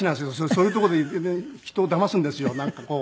そういうとこで人をだますんですよなんかこう。